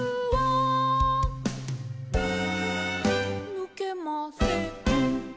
「ぬけません」